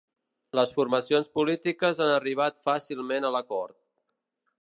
Les formacions polítiques han arribat fàcilment a l'acord